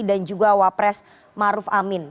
dan juga wapres maruf amin